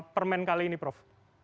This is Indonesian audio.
permen kali ini prof